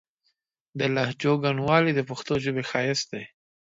د لهجو ګڼوالی د پښتو ژبې ښايست دی.